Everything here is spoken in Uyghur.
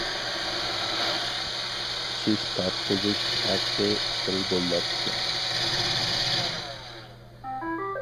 چىش تارتقۇزۇش ھەققى بىر دوللار ئىكەن.